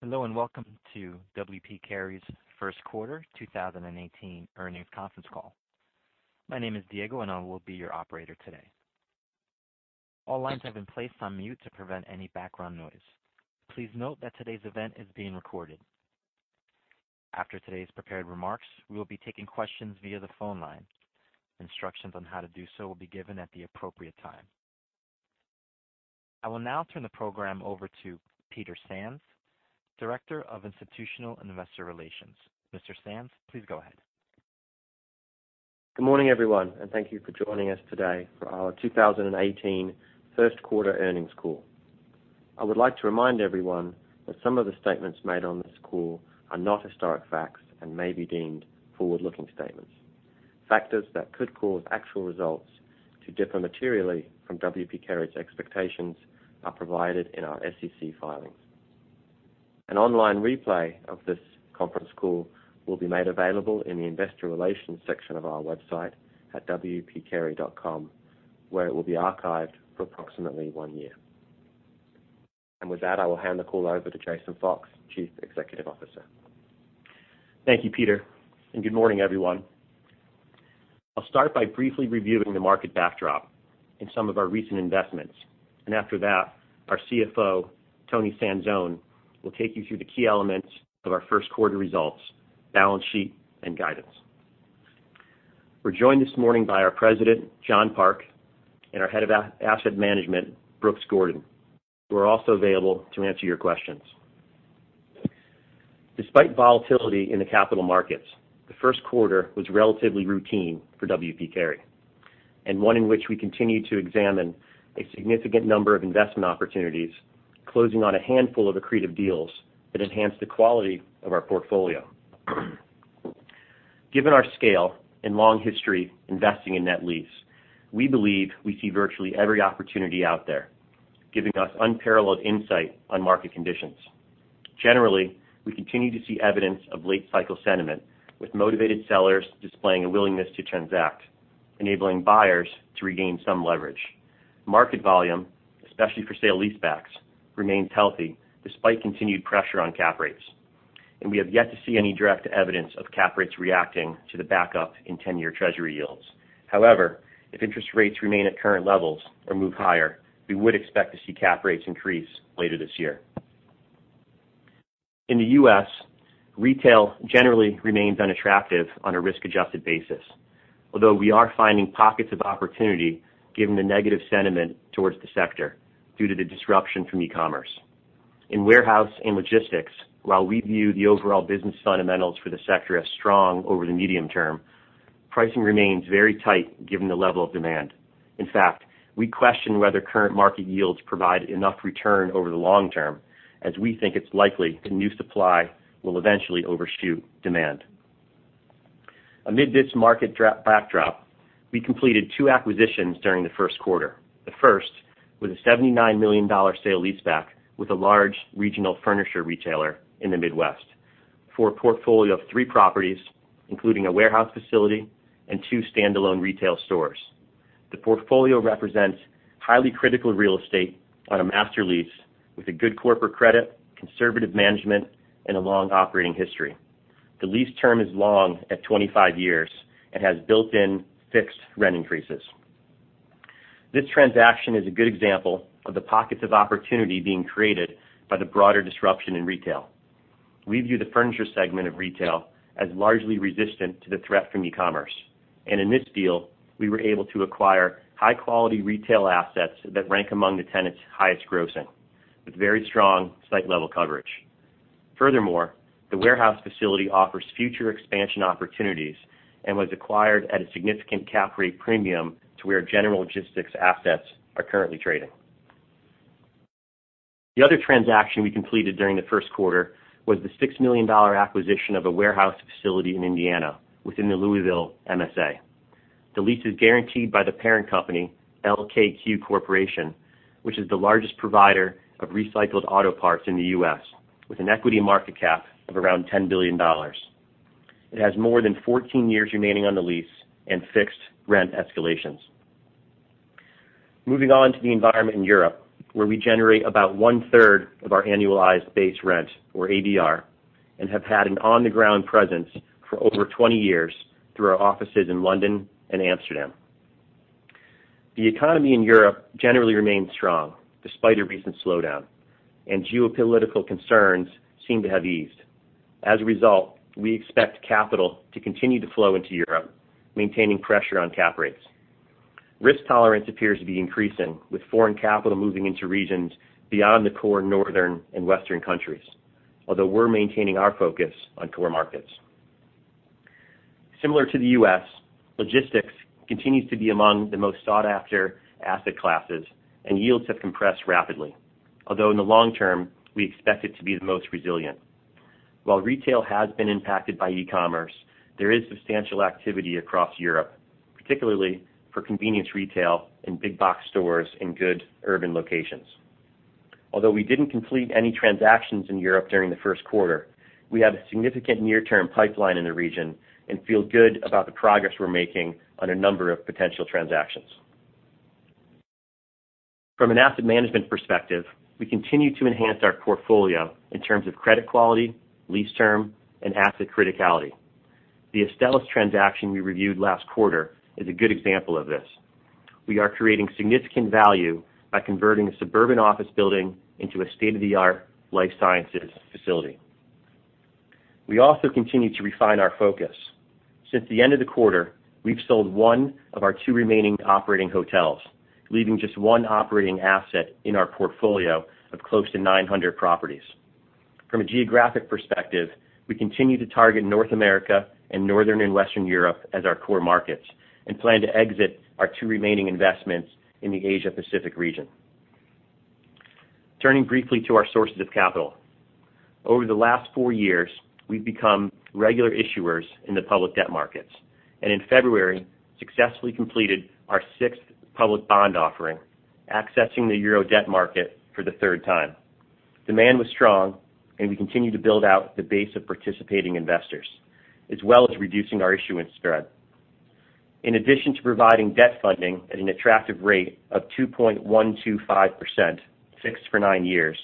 Hello, welcome to W. P. Carey's first quarter 2018 earnings conference call. My name is Diego, and I will be your operator today. All lines have been placed on mute to prevent any background noise. Please note that today's event is being recorded. After today's prepared remarks, we will be taking questions via the phone line. Instructions on how to do so will be given at the appropriate time. I will now turn the program over to Peter Sands, Director of Institutional Investor Relations. Mr. Sands, please go ahead. Good morning, everyone, thank you for joining us today for our 2018 first quarter earnings call. I would like to remind everyone that some of the statements made on this call are not historic facts and may be deemed forward-looking statements. Factors that could cause actual results to differ materially from W. P. Carey's expectations are provided in our SEC filings. An online replay of this conference call will be made available in the investor relations section of our website at wpcarey.com, where it will be archived for approximately one year. With that, I will hand the call over to Jason Fox, Chief Executive Officer. Thank you, Peter, good morning, everyone. I'll start by briefly reviewing the market backdrop in some of our recent investments, and after that, our CFO, Toni Sanzone, will take you through the key elements of our first quarter results, balance sheet, and guidance. We're joined this morning by our President, John Park, and our Head of Asset Management, Brooks Gordon, who are also available to answer your questions. Despite volatility in the capital markets, the first quarter was relatively routine for W. P. Carey, one in which we continued to examine a significant number of investment opportunities, closing on a handful of accretive deals that enhanced the quality of our portfolio. Given our scale and long history investing in net lease, we believe we see virtually every opportunity out there, giving us unparalleled insight on market conditions. Generally, we continue to see evidence of late cycle sentiment with motivated sellers displaying a willingness to transact, enabling buyers to regain some leverage. Market volume, especially for sale leasebacks, remains healthy despite continued pressure on cap rates, we have yet to see any direct evidence of cap rates reacting to the backup in 10-year Treasury yields. However, if interest rates remain at current levels or move higher, we would expect to see cap rates increase later this year. In the U.S., retail generally remains unattractive on a risk-adjusted basis, although we are finding pockets of opportunity given the negative sentiment towards the sector due to the disruption from e-commerce. In warehouse and logistics, while we view the overall business fundamentals for the sector as strong over the medium term, pricing remains very tight given the level of demand. In fact, we question whether current market yields provide enough return over the long term, as we think it's likely the new supply will eventually overshoot demand. Amid this market backdrop, we completed two acquisitions during the first quarter. The first was a $79 million sale leaseback with a large regional furniture retailer in the Midwest for a portfolio of three properties, including a warehouse facility and two standalone retail stores. The portfolio represents highly critical real estate on a master lease with a good corporate credit, conservative management, and a long operating history. The lease term is long at 25 years and has built-in fixed rent increases. This transaction is a good example of the pockets of opportunity being created by the broader disruption in retail. We view the furniture segment of retail as largely resistant to the threat from e-commerce. In this deal, we were able to acquire high-quality retail assets that rank among the tenants' highest grossing with very strong site level coverage. Furthermore, the warehouse facility offers future expansion opportunities and was acquired at a significant cap rate premium to where general logistics assets are currently trading. The other transaction we completed during the first quarter was the $6 million acquisition of a warehouse facility in Indiana within the Louisville MSA. The lease is guaranteed by the parent company, LKQ Corporation, which is the largest provider of recycled auto parts in the U.S., with an equity market cap of around $10 billion. It has more than 14 years remaining on the lease and fixed rent escalations. Moving on to the environment in Europe, where we generate about one-third of our annualized base rent, or ABR, and have had an on-the-ground presence for over 20 years through our offices in London and Amsterdam. The economy in Europe generally remains strong despite a recent slowdown, and geopolitical concerns seem to have eased. We expect capital to continue to flow into Europe, maintaining pressure on cap rates. Risk tolerance appears to be increasing, with foreign capital moving into regions beyond the core northern and western countries. We're maintaining our focus on core markets. Similar to the U.S., logistics continues to be among the most sought-after asset classes, and yields have compressed rapidly. In the long term, we expect it to be the most resilient. While retail has been impacted by e-commerce, there is substantial activity across Europe, particularly for convenience retail and big box stores in good urban locations. We didn't complete any transactions in Europe during the first quarter. We have a significant near-term pipeline in the region and feel good about the progress we're making on a number of potential transactions. From an asset management perspective, we continue to enhance our portfolio in terms of credit quality, lease term, and asset criticality. The Astellas transaction we reviewed last quarter is a good example of this. We are creating significant value by converting a suburban office building into a state-of-the-art life sciences facility. We also continue to refine our focus. Since the end of the quarter, we've sold one of our two remaining operating hotels, leaving just one operating asset in our portfolio of close to 900 properties. From a geographic perspective, we continue to target North America and Northern and Western Europe as our core markets and plan to exit our two remaining investments in the Asia-Pacific region. Turning briefly to our sources of capital. Over the last four years, we've become regular issuers in the public debt markets, and in February, successfully completed our sixth public bond offering, accessing the Euro debt market for the third time. Demand was strong, and we continue to build out the base of participating investors, as well as reducing our issuance spread. In addition to providing debt funding at an attractive rate of 2.125%, fixed for nine years,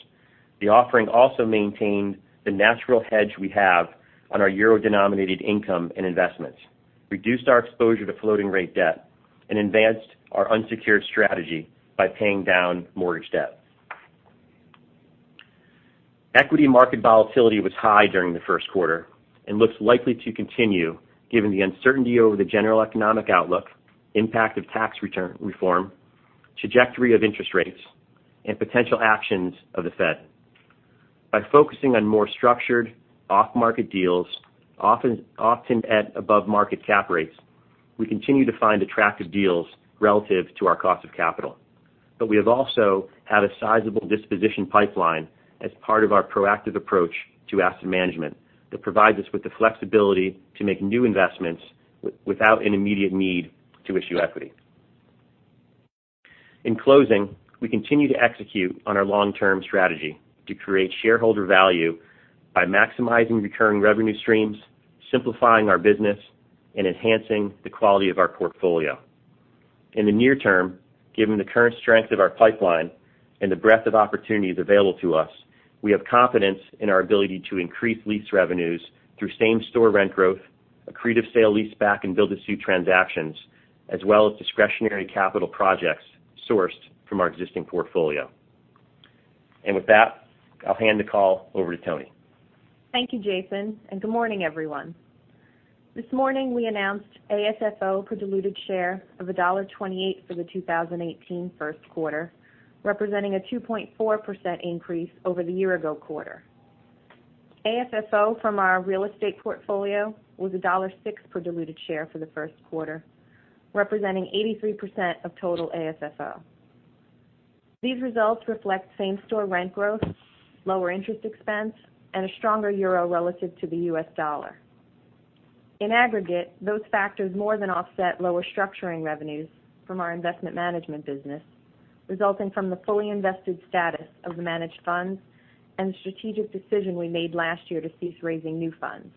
the offering also maintained the natural hedge we have on our euro-denominated income and investments, reduced our exposure to floating rate debt, and advanced our unsecured strategy by paying down mortgage debt. Equity market volatility was high during the first quarter and looks likely to continue given the uncertainty over the general economic outlook, impact of tax reform, trajectory of interest rates, and potential actions of the Fed. By focusing on more structured, off-market deals, often at above-market cap rates, we continue to find attractive deals relative to our cost of capital. We have also had a sizable disposition pipeline as part of our proactive approach to asset management that provides us with the flexibility to make new investments without an immediate need to issue equity. In closing, we continue to execute on our long-term strategy to create shareholder value by maximizing recurring revenue streams, simplifying our business, and enhancing the quality of our portfolio. In the near term, given the current strength of our pipeline and the breadth of opportunities available to us, we have confidence in our ability to increase lease revenues through same-store rent growth, accretive sale leaseback, and build-to-suit transactions, as well as discretionary capital projects sourced from our existing portfolio. With that, I'll hand the call over to Toni. Thank you, Jason, and good morning, everyone. This morning, we announced AFFO per diluted share of $1.28 for the 2018 first quarter, representing a 2.4% increase over the year-ago quarter. AFFO from our real estate portfolio was $1.06 per diluted share for the first quarter, representing 83% of total AFFO. These results reflect same-store rent growth, lower interest expense, and a stronger euro relative to the U.S. dollar. In aggregate, those factors more than offset lower structuring revenues from our investment management business, resulting from the fully invested status of the managed funds and the strategic decision we made last year to cease raising new funds.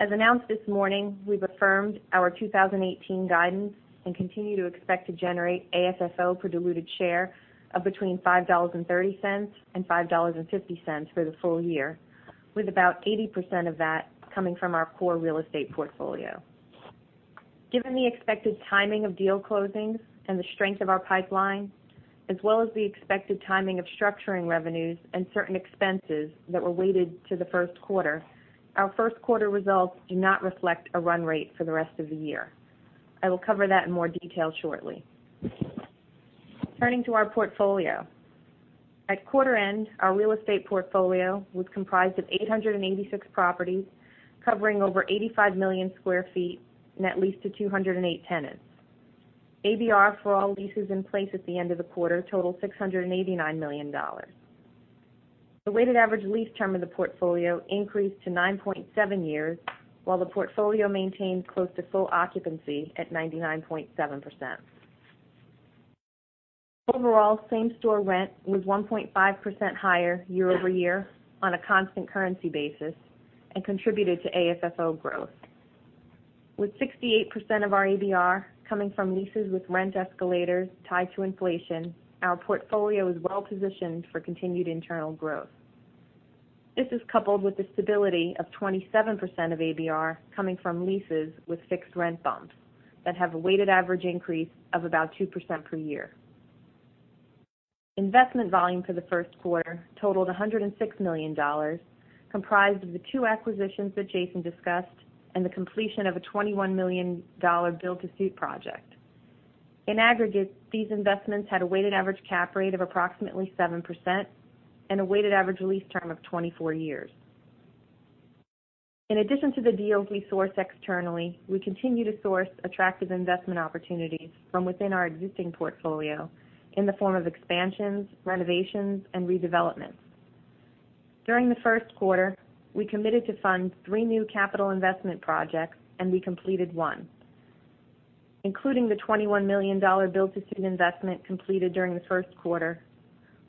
As announced this morning, we've affirmed our 2018 guidance and continue to expect to generate AFFO per diluted share of between $5.30 and $5.50 for the full year, with about 80% of that coming from our core real estate portfolio. Given the expected timing of deal closings and the strength of our pipeline, as well as the expected timing of structuring revenues and certain expenses that were weighted to the first quarter, our first quarter results do not reflect a run rate for the rest of the year. I will cover that in more detail shortly. Turning to our portfolio. At quarter end, our real estate portfolio was comprised of 886 properties covering over 85 million sq ft net leased to 208 tenants. ABR for all leases in place at the end of the quarter totaled $689 million. The weighted average lease term of the portfolio increased to 9.7 years, while the portfolio maintained close to full occupancy at 99.7%. Overall, same-store rent was 1.5% higher year-over-year on a constant currency basis and contributed to AFFO growth. With 68% of our ABR coming from leases with rent escalators tied to inflation, our portfolio is well positioned for continued internal growth. This is coupled with the stability of 27% of ABR coming from leases with fixed rent bumps that have a weighted average increase of about 2% per year. Investment volume for the first quarter totaled $106 million, comprised of the two acquisitions that Jason discussed and the completion of a $21 million build-to-suit project. In aggregate, these investments had a weighted average cap rate of approximately 7% and a weighted average lease term of 24 years. In addition to the deals we source externally, we continue to source attractive investment opportunities from within our existing portfolio in the form of expansions, renovations, and redevelopments. During the first quarter, we committed to fund three new capital investment projects, and we completed one. Including the $21 million build-to-suit investment completed during the first quarter,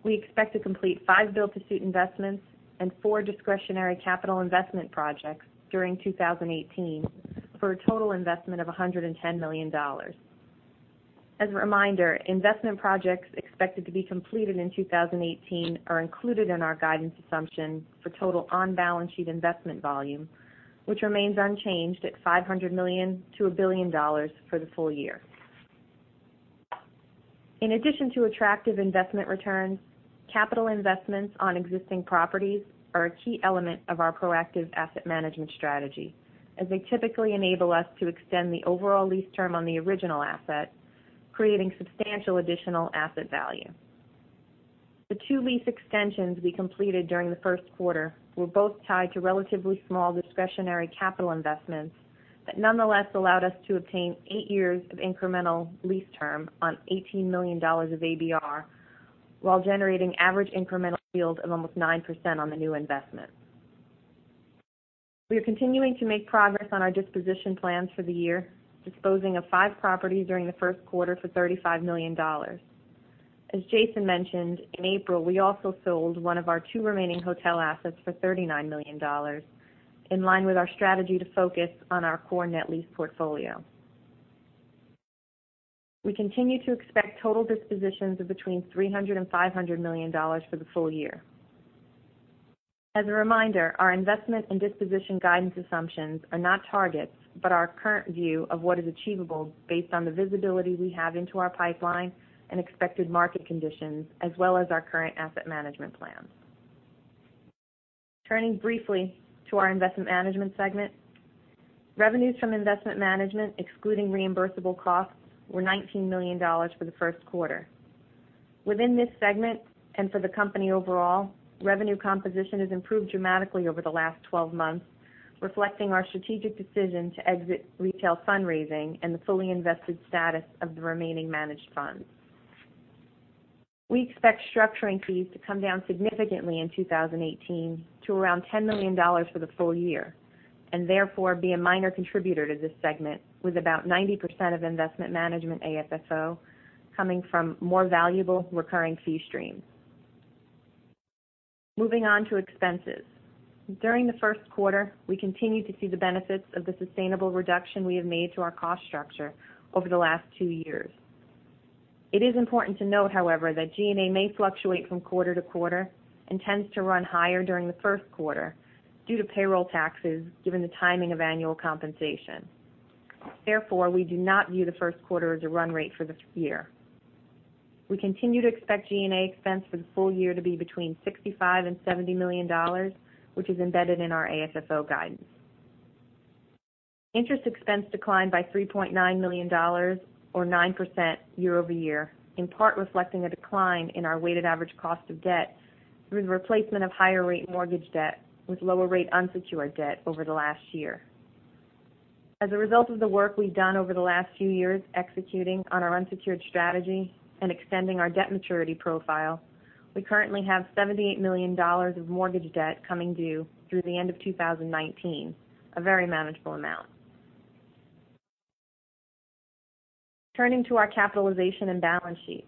we expect to complete five build-to-suit investments and four discretionary capital investment projects during 2018 for a total investment of $110 million. As a reminder, investment projects expected to be completed in 2018 are included in our guidance assumption for total on-balance sheet investment volume, which remains unchanged at $500 million-$1 billion for the full year. In addition to attractive investment returns, capital investments on existing properties are a key element of our proactive asset management strategy, as they typically enable us to extend the overall lease term on the original asset, creating substantial additional asset value. The two lease extensions we completed during the first quarter were both tied to relatively small discretionary capital investments that nonetheless allowed us to obtain eight years of incremental lease term on $18 million of ABR while generating average incremental yield of almost 9% on the new investment. We are continuing to make progress on our disposition plans for the year, disposing of five properties during the first quarter for $35 million. As Jason mentioned, in April, we also sold one of our two remaining hotel assets for $39 million, in line with our strategy to focus on our core net lease portfolio. We continue to expect total dispositions of between $300 million and $500 million for the full year. As a reminder, our investment and disposition guidance assumptions are not targets, but our current view of what is achievable based on the visibility we have into our pipeline and expected market conditions, as well as our current asset management plans. Turning briefly to our investment management segment. Revenues from investment management, excluding reimbursable costs, were $19 million for the first quarter. Within this segment, and for the company overall, revenue composition has improved dramatically over the last 12 months, reflecting our strategic decision to exit retail fundraising and the fully invested status of the remaining managed funds. We expect structuring fees to come down significantly in 2018 to around $10 million for the full year, and therefore be a minor contributor to this segment, with about 90% of investment management AFFO coming from more valuable recurring fee streams. Moving on to expenses. During the first quarter, we continued to see the benefits of the sustainable reduction we have made to our cost structure over the last two years. It is important to note, however, that G&A may fluctuate from quarter to quarter and tends to run higher during the first quarter due to payroll taxes given the timing of annual compensation. Therefore, we do not view the first quarter as a run rate for the year. We continue to expect G&A expense for the full year to be between $65 million and $70 million, which is embedded in our AFFO guidance. Interest expense declined by $3.9 million, or 9% year-over-year, in part reflecting a decline in our weighted average cost of debt through the replacement of higher rate mortgage debt with lower rate unsecured debt over the last year. As a result of the work we've done over the last few years executing on our unsecured strategy and extending our debt maturity profile, we currently have $78 million of mortgage debt coming due through the end of 2019, a very manageable amount. Turning to our capitalization and balance sheet.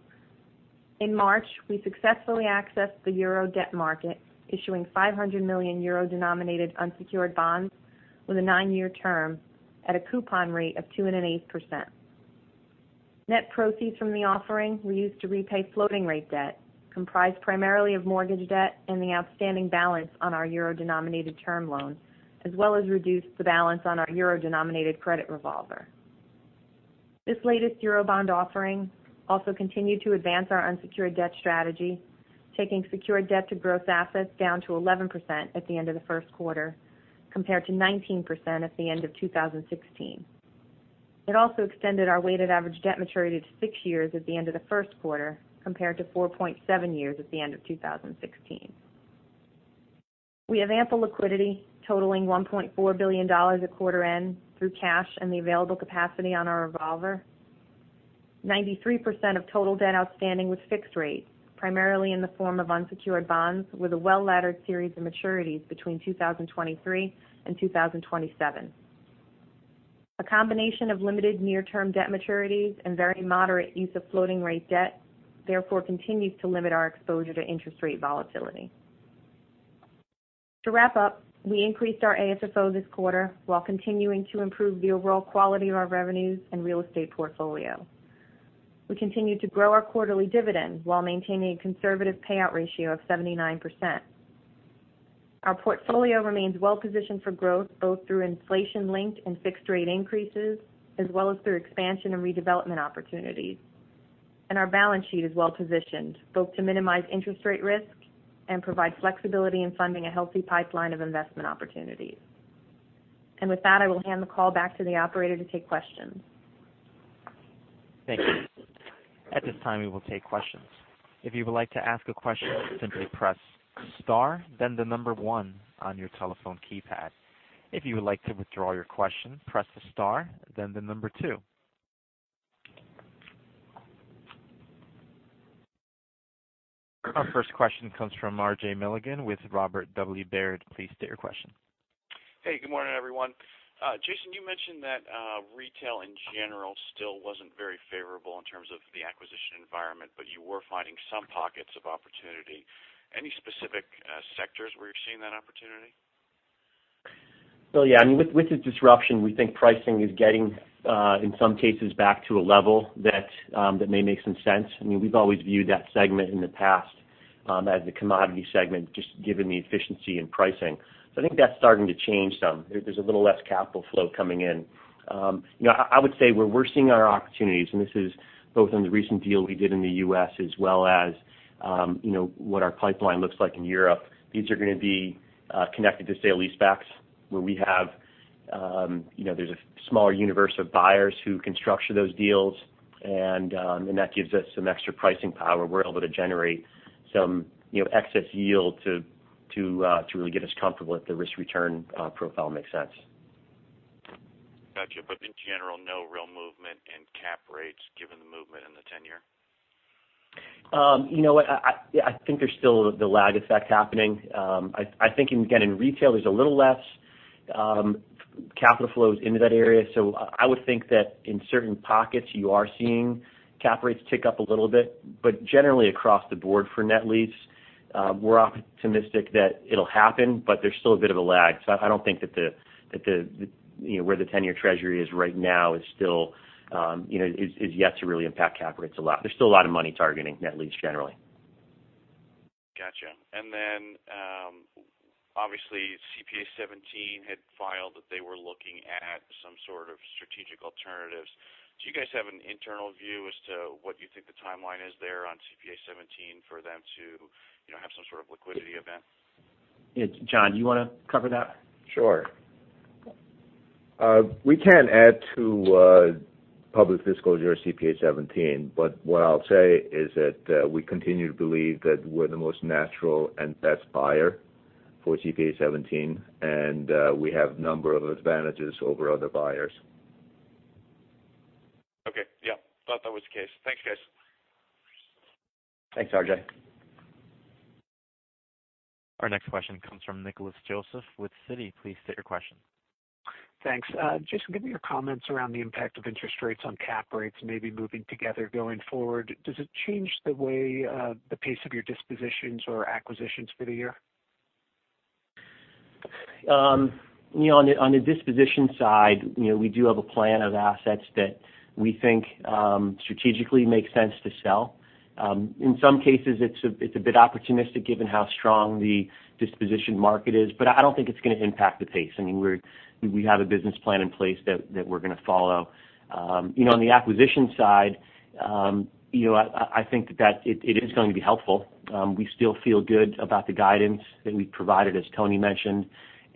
In March, we successfully accessed the euro debt market, issuing 500 million euro-denominated unsecured bonds with a nine-year term at a coupon rate of two and on-eight percent. Net proceeds from the offering we used to repay floating rate debt, comprised primarily of mortgage debt and the outstanding balance on our euro-denominated term loan, as well as reduce the balance on our euro-denominated credit revolver. This latest euro bond offering also continued to advance our unsecured debt strategy, taking secured debt to gross assets down to 11% at the end of the first quarter, compared to 19% at the end of 2016. It also extended our weighted average debt maturity to six years at the end of the first quarter, compared to 4.7 years at the end of 2016. We have ample liquidity totaling $1.4 billion at quarter end through cash and the available capacity on our revolver. 93% of total debt outstanding was fixed rate, primarily in the form of unsecured bonds with a well-laddered series of maturities between 2023 and 2027. A combination of limited near-term debt maturities and very moderate use of floating rate debt therefore continues to limit our exposure to interest rate volatility. To wrap up, we increased our AFFO this quarter while continuing to improve the overall quality of our revenues and real estate portfolio. We continued to grow our quarterly dividend while maintaining a conservative payout ratio of 79%. Our portfolio remains well positioned for growth, both through inflation-linked and fixed-rate increases, as well as through expansion and redevelopment opportunities. Our balance sheet is well positioned, both to minimize interest rate risk and provide flexibility in funding a healthy pipeline of investment opportunities. With that, I will hand the call back to the operator to take questions. Thank you. At this time, we will take questions. If you would like to ask a question, simply press star, then the number 1 on your telephone keypad. If you would like to withdraw your question, press star, then the number 2. Our first question comes from R.J. Milligan with Robert W. Baird. Please state your question. Hey, good morning, everyone. Jason, you mentioned that retail in general still wasn't very favorable in terms of the acquisition environment, but you were finding some pockets of opportunity. Any specific sectors where you're seeing that opportunity? Well, yeah. With the disruption, we think pricing is getting, in some cases, back to a level that may make some sense. We've always viewed that segment in the past as the commodity segment, just given the efficiency in pricing. I think that's starting to change some. There's a little less capital flow coming in. I would say where we're seeing our opportunities, and this is both on the recent deal we did in the U.S. as well as what our pipeline looks like in Europe. These are going to be connected to sale leasebacks, where there's a smaller universe of buyers who can structure those deals, and that gives us some extra pricing power. We're able to generate some excess yield to really get us comfortable if the risk-return profile makes sense. Got you. In general, no real movement in cap rates given the movement in the 10-year? You know what? I think there's still the lag effect happening. I think, again, in retail, there's a little less capital flows into that area. I would think that in certain pockets you are seeing cap rates tick up a little bit. Generally across the board for net lease, we're optimistic that it'll happen, but there's still a bit of a lag. I don't think that where the 10-year treasury is right now is yet to really impact cap rates a lot. There's still a lot of money targeting net lease generally. Got you. Obviously CPA17 had filed that they were looking at some sort of strategic alternatives. Do you guys have an internal view as to what you think the timeline is there on CPA17 for them to have some sort of liquidity event? Yeah. John, do you want to cover that? Sure. What I'll say is that we continue to believe that we're the most natural and best buyer for CPA17, and we have number of advantages over other buyers. Okay. Yeah. Thought that was the case. Thanks, guys. Thanks, R.J. Our next question comes from Nicholas Joseph with Citi. Please state your question. Thanks. Jason, give me your comments around the impact of interest rates on cap rates maybe moving together going forward. Does it change the pace of your dispositions or acquisitions for the year? On the disposition side, we do have a plan of assets that we think strategically makes sense to sell. In some cases, it's a bit opportunistic given how strong the disposition market is. I don't think it's going to impact the pace. We have a business plan in place that we're going to follow. On the acquisition side, I think that it is going to be helpful. We still feel good about the guidance that we provided, as Toni mentioned.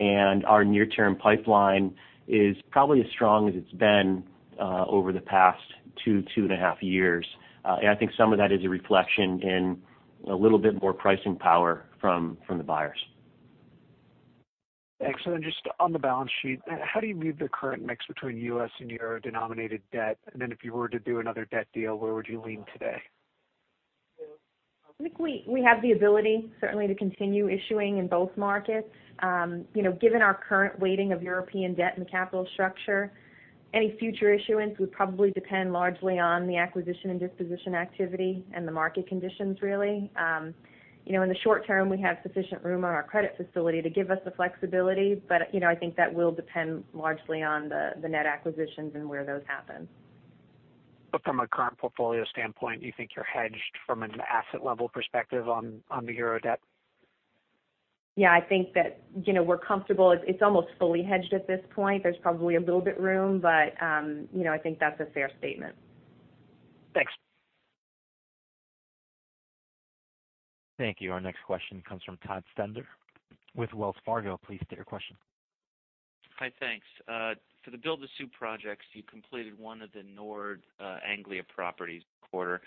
Our near-term pipeline is probably as strong as it's been over the past two and a half years. I think some of that is a reflection in a little bit more pricing power from the buyers. Excellent. Just on the balance sheet, how do you view the current mix between U.S. and euro-denominated debt? If you were to do another debt deal, where would you lean today? I think we have the ability, certainly, to continue issuing in both markets. Given our current weighting of European debt and capital structure, any future issuance would probably depend largely on the acquisition and disposition activity and the market conditions, really. In the short term, we have sufficient room on our credit facility to give us the flexibility, but I think that will depend largely on the net acquisitions and where those happen. From a current portfolio standpoint, do you think you're hedged from an asset level perspective on the Euro debt? Yeah, I think that we're comfortable. It's almost fully hedged at this point. There's probably a little bit room, but I think that's a fair statement. Thanks. Thank you. Our next question comes from Todd Stender with Wells Fargo. Please state your question. Hi, thanks. For the build-to-suit projects, you completed one of the Nord Anglia properties quarter.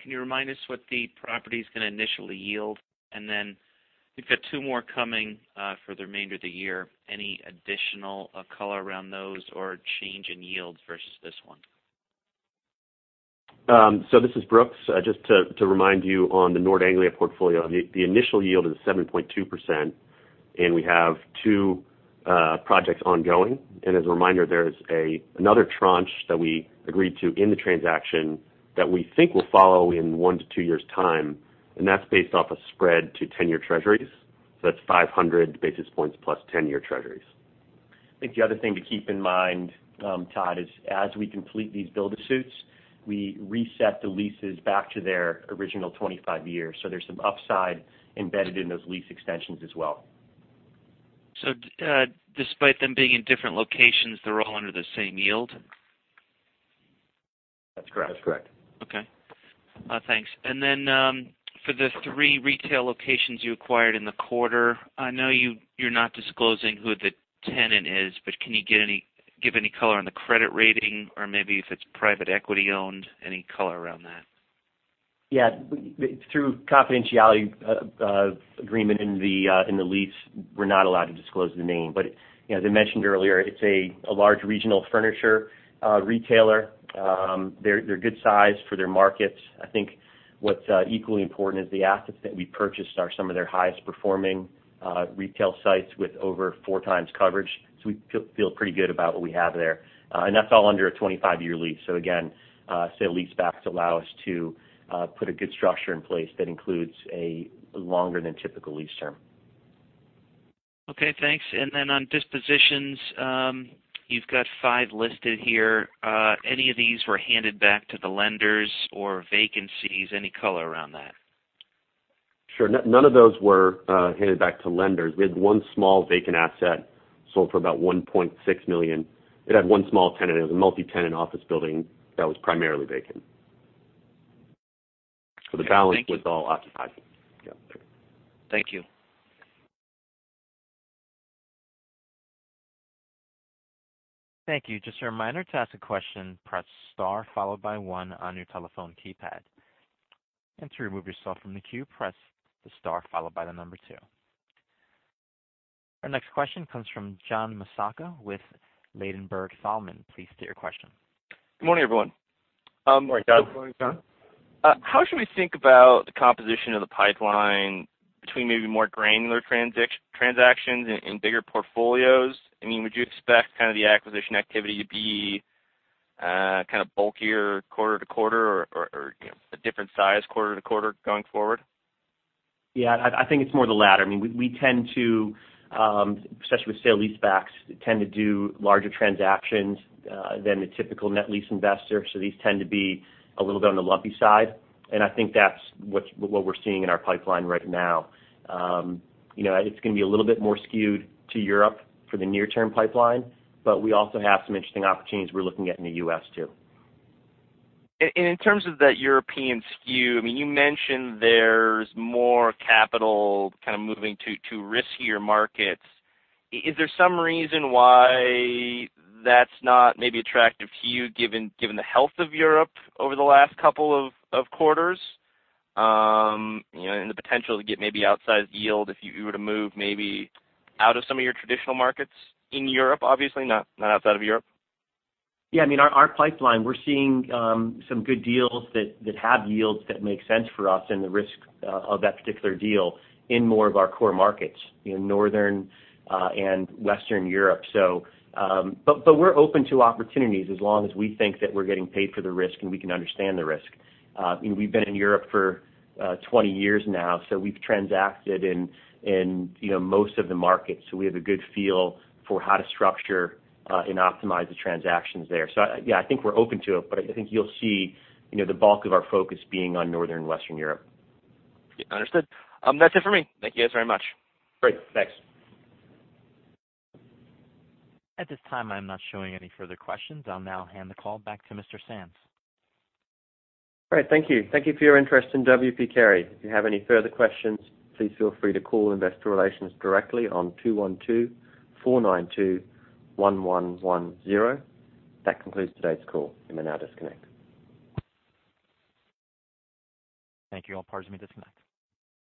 Can you remind us what the property's going to initially yield? Then you've got two more coming for the remainder of the year. Any additional color around those or change in yields versus this one? This is Brooks. Just to remind you on the Nord Anglia portfolio, the initial yield is 7.2%, we have two projects ongoing. As a reminder, there's another tranche that we agreed to in the transaction that we think will follow in one to two years' time, that's based off a spread to 10-year Treasuries. That's 500 basis points plus 10-year Treasuries. I think the other thing to keep in mind, Todd, is as we complete these build-to-suits, we reset the leases back to their original 25 years. There's some upside embedded in those lease extensions as well. Despite them being in different locations, they're all under the same yield? That's correct. That's correct. Okay. Thanks. For the three retail locations you acquired in the quarter, I know you are not disclosing who the tenant is, but can you give any color on the credit rating or maybe if it is private equity owned, any color around that? Yeah. Through confidentiality agreement in the lease, we are not allowed to disclose the name. As I mentioned earlier, it is a large regional furniture retailer. They are good sized for their markets. I think what is equally important is the assets that we purchased are some of their highest performing retail sites with over four times coverage. We feel pretty good about what we have there. That is all under a 25-year lease. Again, sale leasebacks allow us to put a good structure in place that includes a longer than typical lease term. Okay, thanks. On dispositions, you have got five listed here. Any of these were handed back to the lenders or vacancies? Any color around that? Sure. None of those were handed back to lenders. We had one small vacant asset sold for about $1.6 million. It had one small tenant. It was a multi-tenant office building that was primarily vacant. The balance was all occupied. Thank you. Yeah. Thank you. Thank you. Just a reminder, to ask a question, press star followed by one on your telephone keypad. To remove yourself from the queue, press the star followed by the number two. Our next question comes from John Massocca with Ladenburg Thalmann. Please state your question. Good morning, everyone. Morning, John. Morning, John. How should we think about the composition of the pipeline between maybe more granular transactions in bigger portfolios? Would you expect kind of the acquisition activity to be bulkier quarter to quarter or a different size quarter to quarter going forward? I think it's more the latter. We tend to, especially with sale leasebacks, tend to do larger transactions than the typical net lease investor. These tend to be a little bit on the lumpy side, and I think that's what we're seeing in our pipeline right now. It's going to be a little bit more skewed to Europe for the near-term pipeline, but we also have some interesting opportunities we're looking at in the U.S. too. In terms of that European skew, you mentioned there's more capital kind of moving to riskier markets. Is there some reason why that's not maybe attractive to you given the health of Europe over the last couple of quarters, and the potential to get maybe outsized yield if you were to move maybe out of some of your traditional markets in Europe, obviously not outside of Europe? Yeah. Our pipeline, we're seeing some good deals that have yields that make sense for us and the risk of that particular deal in more of our core markets, in Northern and Western Europe. We're open to opportunities as long as we think that we're getting paid for the risk, and we can understand the risk. We've been in Europe for 20 years now, we've transacted in most of the markets. We have a good feel for how to structure and optimize the transactions there. Yeah, I think we're open to it, but I think you'll see the bulk of our focus being on Northern and Western Europe. Understood. That's it for me. Thank you guys very much. Great. Thanks. At this time, I'm not showing any further questions. I'll now hand the call back to Mr. Sands. Great. Thank you. Thank you for your interest in W. P. Carey. If you have any further questions, please feel free to call investor relations directly on 212-492-1110. That concludes today's call. You may now disconnect. Thank you. All parties may disconnect.